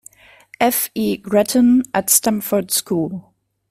F. E. Gretton at Stamford School.